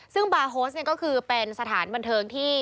ซึ่งบาร์โฮสก็คือเป็นสถานบันเทิงที่